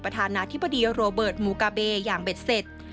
ประธานาธิบดีโรเบิร์ตมูกาเบอย่างเบ็ดเสร็จ